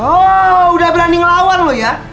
lo udah berani ngelawan lo ya